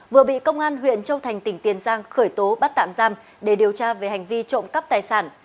vừa bị công an huyện châu thành tỉnh tiền giang khởi tố bắt tạm giam để điều tra về hành vi trộm cắp tài sản